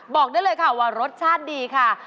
บอกได้เลยค่ะว่ารสชาติดีค่ะ